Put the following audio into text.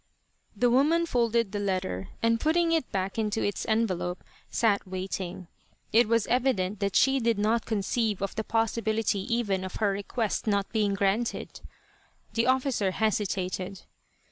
The woman folded the letter, and putting it back into its envelope sat waiting. It was evident that she did not conceive of the possibility even of her request not being granted. The officer hesitated.